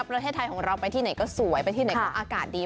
ประเทศไทยของเราไปที่ไหนก็สวยไปที่ไหนก็อากาศดี